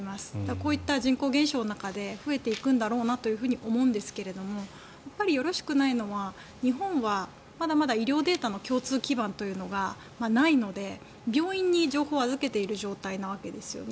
こういった人口減少の中で増えていくんだろうなとは思うんですがよろしくないのは日本はまだまだ医療データの共通基盤というのがないので病院に情報を預けている状態のわけですよね。